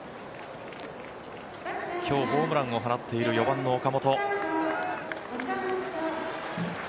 今日ホームランを放っている４番の岡本。